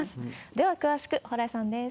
では詳しく、蓬莱さんです。